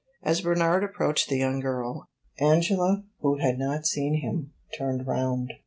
As Bernard approached the young girl, Angela, who had not seen him, turned round.